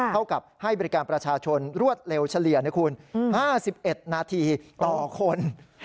เท่ากับให้บริการประชาชนรวดเร็วเฉลี่ยนะคุณ๕๑นาทีต่อคน